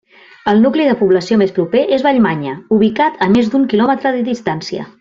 El nucli de població més proper és Vallmanya, ubicat a més d'un quilòmetre de distància.